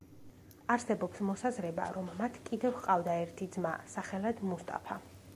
არსებობს მოსაზრება, რომ მათ კიდევ ჰყავდა ერთი ძმა, სახელად მუსტაფა.